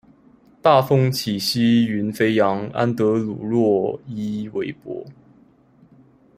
大風起兮雲飛揚，安德魯洛伊韋伯